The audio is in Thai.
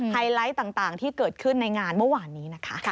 ไลท์ต่างที่เกิดขึ้นในงานเมื่อวานนี้นะคะ